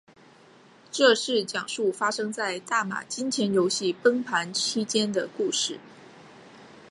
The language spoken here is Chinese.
这是讲述发生在大马金钱游戏崩盘期间的故事。